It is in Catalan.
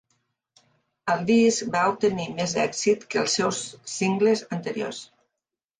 El disc va obtenir més èxit que els seus singles anteriors.